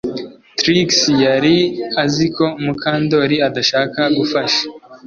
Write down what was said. Trix yari azi ko Mukandoli adashaka gufasha